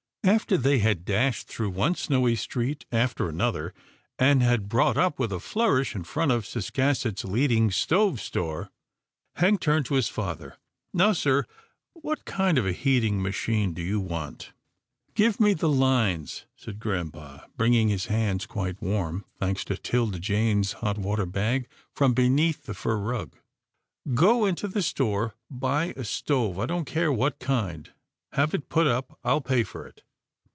After they had dashed through one snowy street after another, and had brought up with a flourish in front of Ciscasset's leading stove store. Hank turned to his father, " Now sir, what kind of a heating machine do you want ?"" Give me the lines," said Grampa, bringing his hands, quite warm, thanks to 'Tilda Jane's hot water bag, from beneath the fur rug. " Go you into GRAMPA'S DRIVE 137 the store. Buy a stove. I don't care what kind. Have it put up. I pay for it."